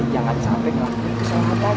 jangan sampai ngelakuin kesalahan